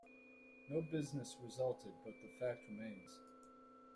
No business resulted, but the fact remains.